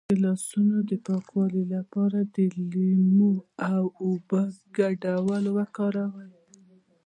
د لاسونو د پاکوالي لپاره د لیمو او اوبو ګډول وکاروئ